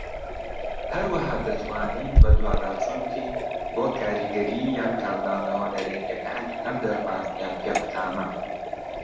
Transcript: هەروەها دەتوانین بەدواداچوون بکەین بۆ کاریگەریی یان کاردانەوە نەرێنیەکانی ئەم دەرمان یان پێکوتانە.